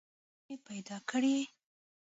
ستونزي پیدا کړې.